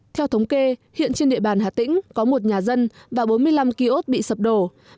theo thống kê hiện trên địa bàn hà tĩnh có một nhà dân và bốn mươi năm kiosk bị sập đổ